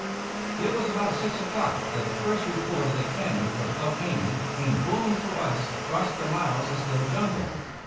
It was about six o'clock that the first report of the cannon from El Caney came booming to us across the miles of still jungle.